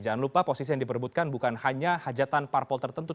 jangan lupa posisi yang diperbutkan bukan hanya hajatan parpol tertentu